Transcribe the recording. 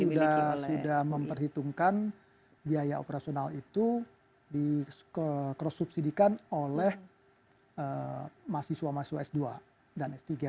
oh tidak karena kami sudah memperhitungkan biaya operasional itu dikerosubsidikan oleh mahasiswa mahasiswa s dua dan s tiga